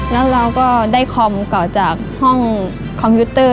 แล้วเราก็ได้คอมต่อจากห้องคอมพิวเตอร์